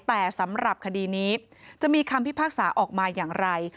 แต่สำหรับคดีนี้จะมีคำพิพากษาออกมาอย่างไร